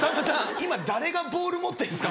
今誰がボール持ってるんですか？